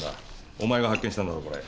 お前が発見したんだろうこれ。